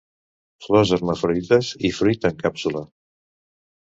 Flors hermafrodites i fruit en càpsula.